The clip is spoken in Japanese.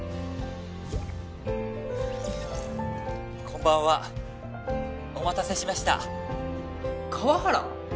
こんばんはお待たせしました川原？